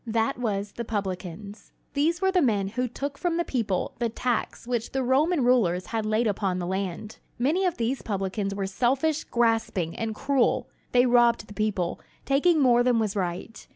That was "the publicans." These were the men who took from the people the tax which the Roman rulers had laid upon the land. Many of these publicans were selfish, grasping, and cruel. They robbed the people, taking more than was right.